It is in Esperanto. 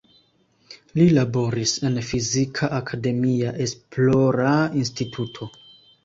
Li laboris en fizika akademia esplora instituto.